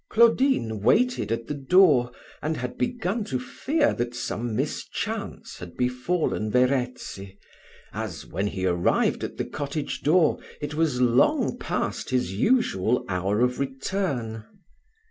Claudine waited at the door, and had begun to fear that some mischance had befallen Verezzi, as, when he arrived at the cottage door, it was long past his usual hour of return.